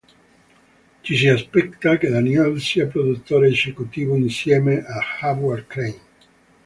Ci si aspetta che Daniels sia produttore esecutivo insieme a Howard Klein.